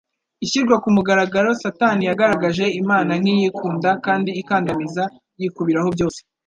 ishyirwa ku mugaragaro. Satani yagaragaje Imana nk'iyikunda kandi ikandamiza, yikubiraho byose,